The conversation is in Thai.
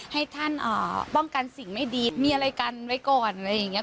ให้ท่านป้องกันสิ่งไม่ดีมีอะไรกันไว้ก่อนอะไรอย่างนี้